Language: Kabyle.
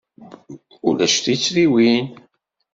Ulac tuttriwin?